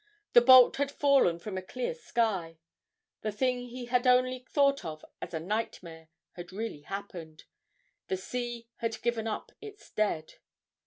The bolt had fallen from a clear sky, the thing he had only thought of as a nightmare had really happened the sea had given up its dead!